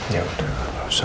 ya udah nggak usah lah